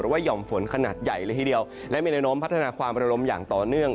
หรือว่าหย่อมฝนขนาดใหญ่ละทีเดียวและมีแนะนำพัฒนาความประโลมอย่างต่อเนื่อง